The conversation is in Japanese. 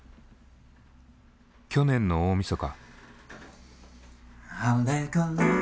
去年の大みそか。